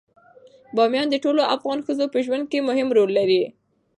بامیان د ټولو افغان ښځو په ژوند کې مهم رول لري.